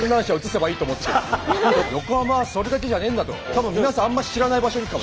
たぶん皆さんあんまり知らない場所行くかも。